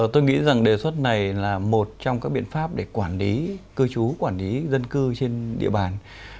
tôi nghĩ rằng đề xuất này là một trong các biện pháp để quản lý cư trú quản lý dân cư trên địa bàn